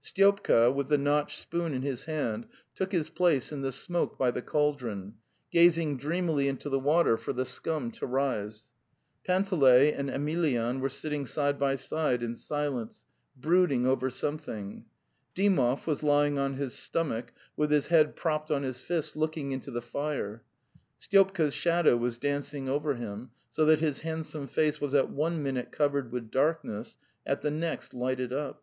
Sty opka, with the notched spoon in his hand, took his place in the smoke by the cauldron, gazing dreamily into the water for the scum to rise. Panteley and Emelyan were sitting side by side in silence, brood ing over something. Dymov was lying on his stom — ach, with his head propped on his fists, looking into the fire. ... Styopka's shadow was dancing over him, so that his handsome face was at one minute covered with darkness, at the next lighted up... .